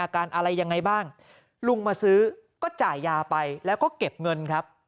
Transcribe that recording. ก็จ่ายยาไปแล้วก็เก็บเงินครับ